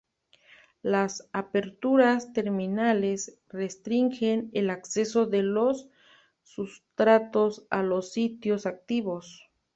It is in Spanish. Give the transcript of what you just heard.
Las aperturas terminales restringen el acceso de los sustratos a los sitios activos.